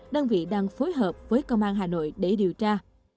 đơn vị đang phối hợp với công an hà nội để điều tra